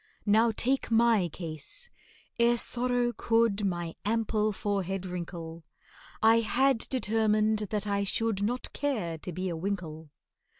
Now take my case: Ere sorrow could My ample forehead wrinkle, I had determined that I should Not care to be a winkle.